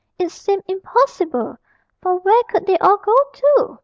It seemed impossible, for where could they all go to?